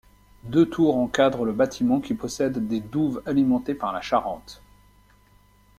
Deux tours encadrent le bâtiment qui possède des douves alimentées par la Charente.